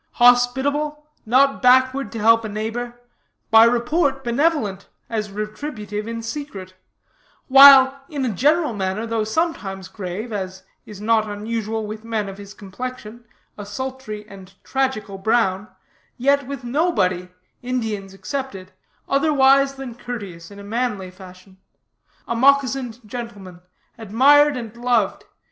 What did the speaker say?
Hospitable, not backward to help a neighbor; by report, benevolent, as retributive, in secret; while, in a general manner, though sometimes grave as is not unusual with men of his complexion, a sultry and tragical brown yet with nobody, Indians excepted, otherwise than courteous in a manly fashion; a moccasined gentleman, admired and loved.